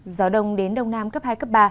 gió đông đến đông nam cấp hai cấp ba